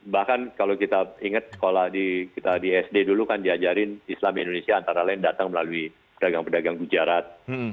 bahkan kalau kita ingat sekolah di sd dulu kan diajarin islam indonesia antara lain datang melalui pedagang pedagang bujarat